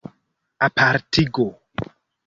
apartigo